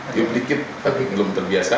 diep dikit tapi belum terbiasa